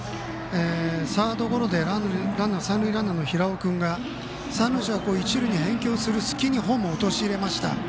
サードゴロで三塁ランナーの平尾君が三塁手が一塁に返球をする隙にホームを陥れました。